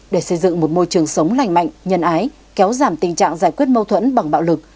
để xây dựng một môi trường sống lành mạnh nhân ái kéo giảm tình trạng giải quyết mâu thuẫn bằng bạo lực